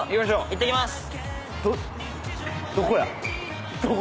いってきます！